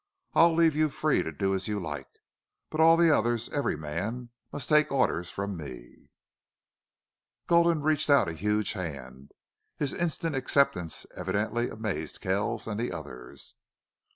I'll leave you free to do as you like. But all the others every man must take orders from me." Gulden reached out a huge hand. His instant acceptance evidently amazed Kells and the others.